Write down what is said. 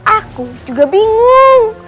aku juga bingung